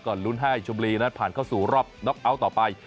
ก่อนลุ้นให้ชนบุรีนัดผ่านเข้าสู่รอบด๊อกเอาต์ต่อไป